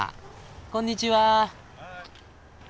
こんにちは。